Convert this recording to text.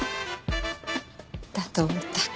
だと思った。